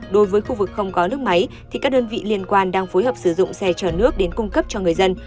đối với khu vực không có nước máy thì các đơn vị liên quan đang phối hợp sử dụng xe chở nước đến cung cấp cho người dân